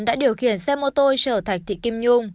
đã điều khiển xe mô tô chở thạch thị kim nhung